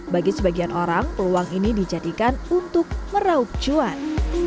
bagi sebagian orang peluang ini dijadikan untuk meraup cuan